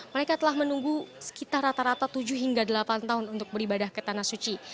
mereka telah menunggu sekitar rata rata tujuh hingga delapan tahun untuk beribadah ke tanah suci